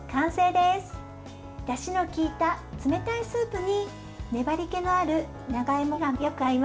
だしのきいた冷たいスープに粘りけのある長芋がよく合います。